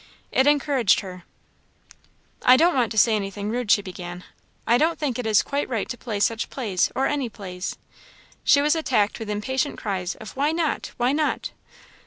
It encouraged her. "I don't want to say anything rude," she began; "I don't think it is quite right to play such plays, or any plays." She was attacked with impatient cries of "Why not?" "Why not?"